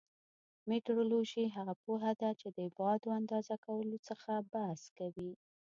مټرولوژي هغه پوهه ده چې د ابعادو اندازه کولو څخه بحث کوي.